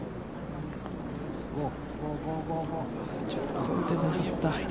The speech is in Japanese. ちょっと打てなかった。